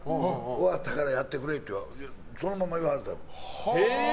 終わったからやってくれってそのまま言われたの。